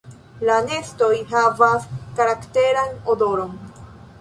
La nestoj havas karakteran odoron.